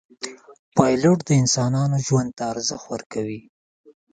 پیلوټ د انسانانو ژوند ته ارزښت ورکوي.